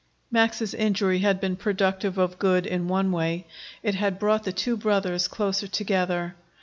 Max's injury had been productive of good, in one way. It had brought the two brothers closer together.